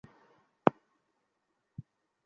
ফিডটা check করুন!